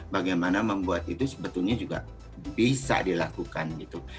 bagaimana membuat itu sebetulnya juga bisa dilakukan gitu